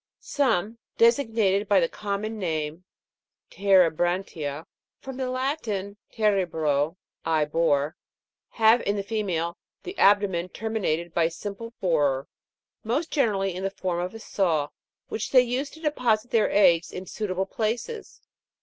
Some, designated by the common name of TEREBRAN'TIA (from the Latin, terebro, I bore), have, in the female, the abdomen terminated by a simple borer, most generally in form of a saw, which they use to deposit their eggs in suitable places.